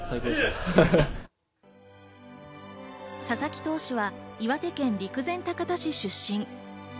佐々木投手は岩手県陸前高田市出身。